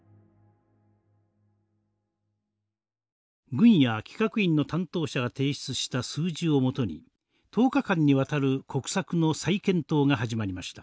軍や企画院の担当者が提出した数字を基に１０日間にわたる国策の再検討が始まりました。